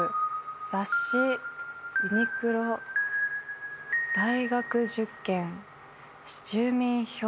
雑誌ユニクロ大学受験住民票